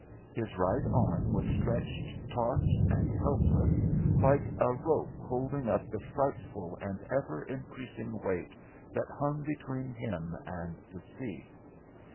His right arm was stretched taut and helpless, like a rope holding up the frightful and ever increasing weight that hung between him and the sea.